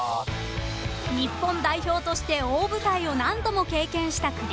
［日本代表として大舞台を何度も経験した栗原さん］